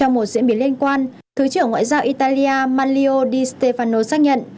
trong một diễn biến liên quan thứ trưởng ngoại giao italia maglio di stefano xác nhận